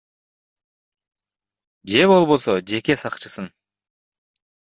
Же болбосо жеке сакчысын.